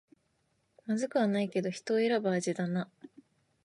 まずくはないけど人を選ぶ味だな